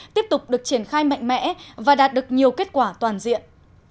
tiếp tục được triển khai mạnh mẽ và đạt được nhiều kết quả toàn diện